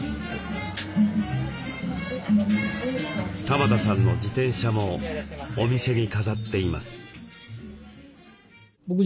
玉田さんの自転車もお店に飾っています。